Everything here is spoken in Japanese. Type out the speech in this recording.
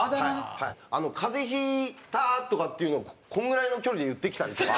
「風邪引いた」とかっていうのをこのぐらいの距離で言ってきたりとか。